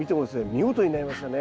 見事になりましたね。